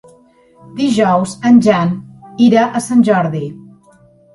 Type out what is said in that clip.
Dijous en Jan irà a Sant Jordi.